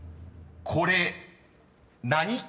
［これ何県？］